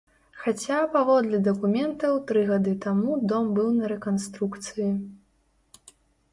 Хаця, паводле дакументаў, тры гады таму дом быў на рэканструкцыі.